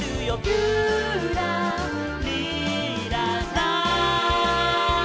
「ぴゅらりらら」